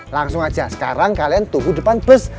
langsung aja sekarang kalian tunggu depan bus